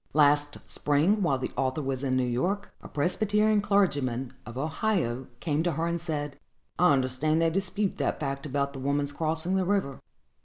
Last spring, while the author was in New York, a Presbyterian clergyman, of Ohio, came to her, and said, "I understand they dispute that fact about the woman's crossing the river.